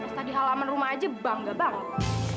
terus di halaman rumah aja bangga banget